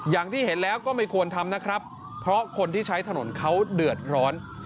อย่างที่เห็นแล้วก็ไม่ควรทำนะครับเพราะคนที่ใช้ถนนเขาเดือดร้อน